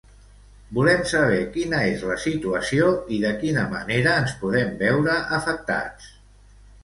Volem saber quina és la situació i de quina manera ens podem veure afectats.